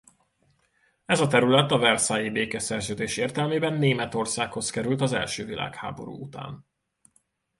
Ez a terület a versailles-i békeszerződés értelmében Németországhoz került az első világháború után.